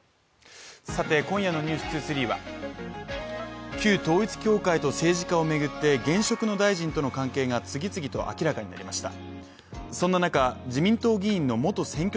今夜の「ｎｅｗｓ２３」は旧統一教会と政治家をめぐって現職の大臣との関係が次々と明らかになりました